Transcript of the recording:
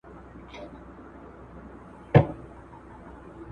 پس انداز د نوو فابریکو په جوړولو کي کارول کیږي.